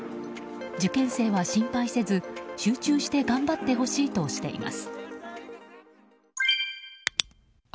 受験生は心配せず、集中して頑張ってほしいとしています。